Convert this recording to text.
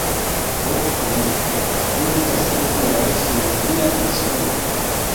Ho ne, mi estas ankoraŭ sur via Insulo...